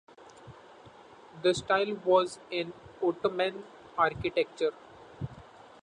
The style was in Ottoman architecture.